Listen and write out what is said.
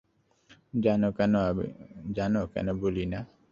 জানো কেন বলি না?